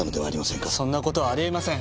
そんな事はあり得ません！